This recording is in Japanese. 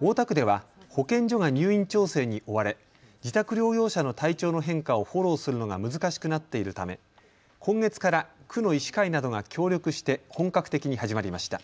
大田区では保健所が入院調整に追われ自宅療養者の体調の変化をフォローするのが難しくなっているため今月から区の医師会などが協力して本格的に始まりました。